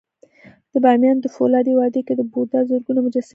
د بامیانو د فولادي وادي کې د بودا زرګونه مجسمې وې